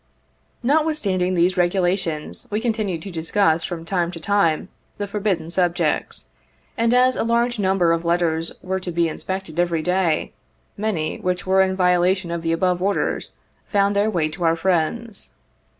'' Notwithstanding these regulations, we continued to dis cuss, from time to time, the forbidden subjects, and, as a large number of letters were to be inspected every day, many, which were in violation of the above orders, found their way to our friends.